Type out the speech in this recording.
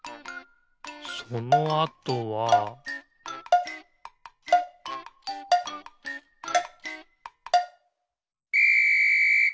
そのあとはピッ！